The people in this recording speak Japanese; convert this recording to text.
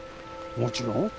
もちろん